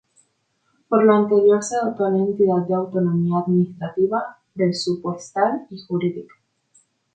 Por lo anterior se dotó a la entidad de autonomía administrativa, presupuestal y jurídica.